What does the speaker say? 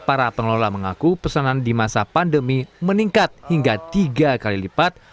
para pengelola mengaku pesanan di masa pandemi meningkat hingga tiga kali lipat